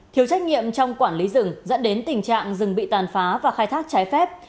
thiếu trách nhiệm trong quản lý rừng dẫn đến tình trạng rừng bị tàn phá và khai thác trái phép